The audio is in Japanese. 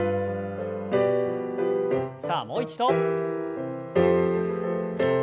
さあもう一度。